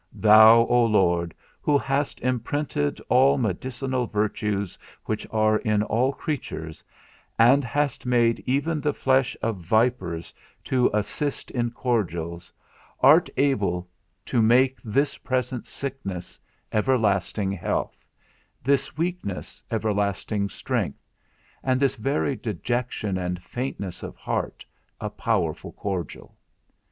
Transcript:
Thou, O Lord, who hast imprinted all medicinal virtues which are in all creatures, and hast made even the flesh of vipers to assist in cordials, art able to make this present sickness, everlasting health, this weakness, everlasting strength, and this very dejection and faintness of heart, a powerful cordial.